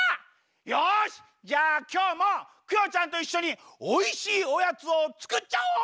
よしじゃあきょうもクヨちゃんといっしょにおいしいおやつをつくっちゃおう！